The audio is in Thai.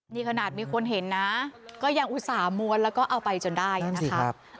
นี่ขนาดมีคนเห็นนะก็ยังอุตส่าห์ม้วนแล้วก็เอาไปจนได้นะคะ